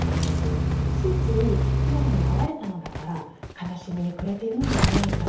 ついつい被害に遭われたのだから悲しみにくれているのではないか。